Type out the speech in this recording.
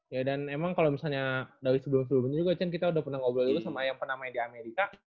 ya dan emang kalau misalnya dari sebelum sebelumnya juga kita udah pernah ngobrol dulu sama yang pernah main di amerika